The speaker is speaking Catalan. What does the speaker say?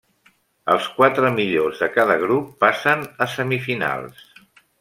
Els quatre millors de cada grup passen a semifinals.